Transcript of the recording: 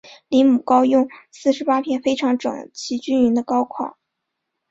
离母糕用四十八片非常整齐均匀的糕块。